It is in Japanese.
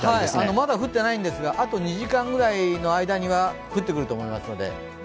まだ降ってないんですが、あと２時間ぐらいで降ってくると思います。